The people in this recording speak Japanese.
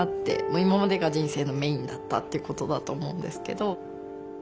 今までが人生のメインだったってことだと思うんですけど。